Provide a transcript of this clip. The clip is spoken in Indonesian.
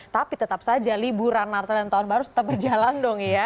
tapi tetap saja liburan natal dan tahun baru tetap berjalan dong ya